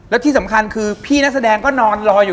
แล้วที่สำคัญคือพี่นักแสดงก็นอนรออยู่